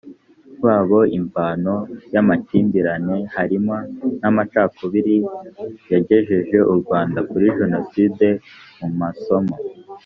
babo imvano y amakimbirane harimo n amacakubiri yagejeje u rwanda kuri jenoside mu masomo